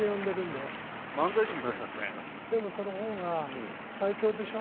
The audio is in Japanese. でもその方が対等でしょ。